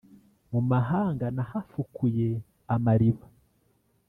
Mu mahanga nahafukuye amariba,